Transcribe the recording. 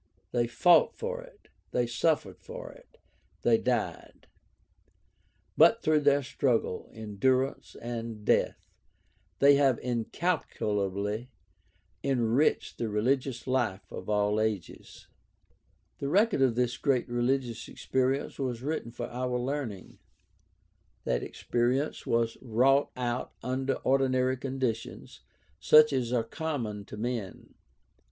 They fought for it; they suffered for it; they died. But through their struggle, endurance, and death they have incalculably enriched the religious life of all ages. The record of this great religious experience was written for our learning. That experience was wrought out under ordinary conditions, such as are common to men.